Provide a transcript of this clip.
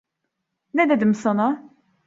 Ne dedim sana?